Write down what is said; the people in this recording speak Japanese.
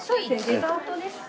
デザートですと。